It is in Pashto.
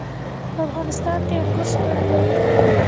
په افغانستان کې انګور شتون لري.